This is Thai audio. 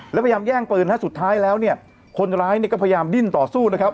แล้วพยายามแย่งปืนฮะสุดท้ายแล้วเนี่ยคนร้ายเนี่ยก็พยายามดิ้นต่อสู้นะครับ